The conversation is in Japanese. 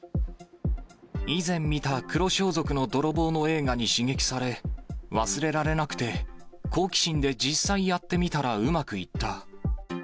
以前見た黒装束の泥棒の映画に刺激され、忘れられなくて、好奇心で実際やってみたらうまくいった。